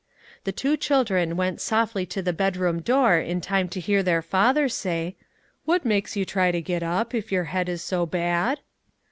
The two children went softly to the bedroom door in time to hear their father say, "What makes you try to get up, if your head is so bad?"